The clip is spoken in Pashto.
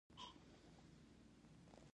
الګو باید صادق وي